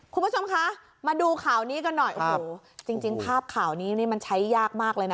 คุณผู้ชมคะมาดูข่าวนี้กันหน่อยโอ้โหจริงจริงภาพข่าวนี้นี่มันใช้ยากมากเลยนะ